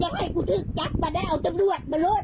อย่าให้กูถึกกักมาเนี่ยเอาจำรวจมารวด